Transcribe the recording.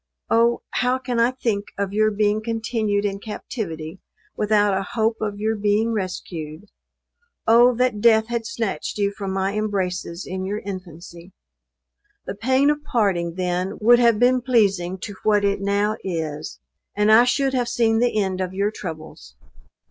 Oh! how can I think of your being continued in captivity without a hope of your being rescued? O that death had snatched you from my embraces in your infancy; the pain of parting then would have been pleasing to what it now is; and I should have seen the end of your troubles!